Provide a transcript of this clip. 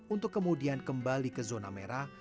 untuk kemudian kembali ke zona merah